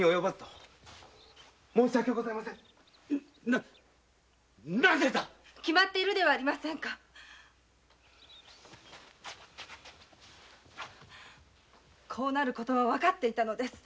なぜだ‼決まっているではありませんかこうなる事はわかっていたのです。